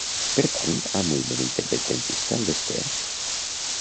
Pertany al moviment independentista l'Esther?